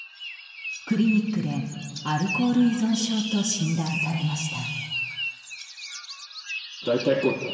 クリニックでアルコール依存症と診断されました。